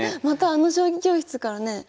またあの将棋教室からね